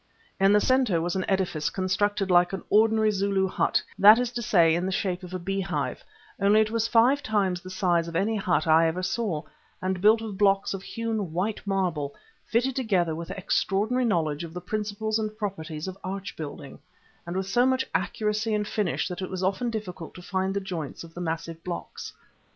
In the centre was an edifice constructed like an ordinary Zulu hut—that is to say, in the shape of a beehive, only it was five times the size of any hut I ever saw, and built of blocks of hewn white marble, fitted together with extraordinary knowledge of the principles and properties of arch building, and with so much accuracy and finish that it was often difficult to find the joints of the massive blocks.